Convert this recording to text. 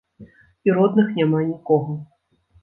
І родных няма нікога.